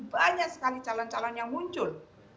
banyak sekali calon calon yang muncul